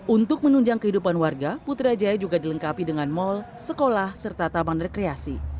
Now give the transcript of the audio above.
untuk menunjang kehidupan warga putrajaya juga dilengkapi dengan mal sekolah serta tabang rekreasi